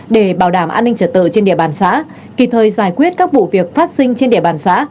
để bảo đảm an ninh trật tự trên địa bàn xã kịp thời giải quyết các vụ việc phát sinh trên địa bàn xã